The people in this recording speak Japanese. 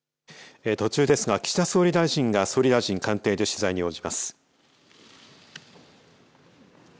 途中ですが岸田総理大臣が総理大臣官邸で取材に応じます。